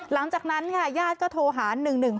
หลังจากนั้นค่ะญาติก็โทรหา๑๑๖